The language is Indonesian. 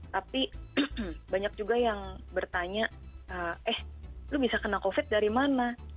tapi banyak juga yang bertanya eh lu bisa kena covid dari mana